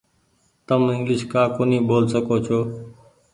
تم انگليش ڪآ ڪونيٚ ٻول سڪو ڇو۔